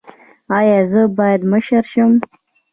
ایا زه باید مشر شم؟